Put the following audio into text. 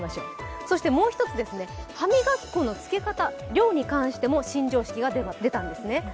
そしてもう一つ、歯磨き粉のつけ方量についても新常識が出たんですね。